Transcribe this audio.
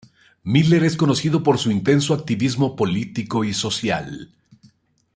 Miller es conocido por su intenso activismo político y social.